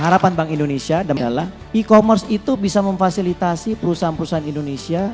harapan bank indonesia dan dalam e commerce itu bisa memfasilitasi perusahaan perusahaan indonesia